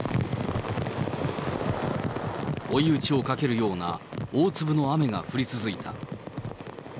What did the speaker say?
追い打ちをかけるような大粒の雨が降り続いた。